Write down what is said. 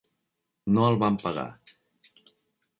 No el van pagar.